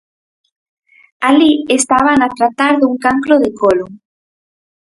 Alí estábana a tratar dun cancro de colon.